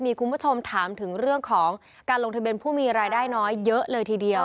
มีคุณผู้ชมถามถึงเรื่องของการลงทะเบียนผู้มีรายได้น้อยเยอะเลยทีเดียว